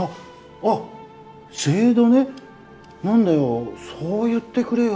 何だよそう言ってくれよ。